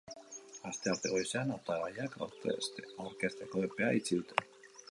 Astearte goizean hautagaiak aurkezteko epea itxi dute.